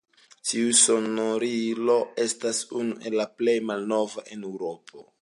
Tiu sonorilo estas unu el la plej malnovaj en Eŭropo.